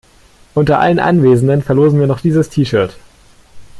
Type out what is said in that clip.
Unter allen Anwesenden verlosen wir noch dieses T-Shirt.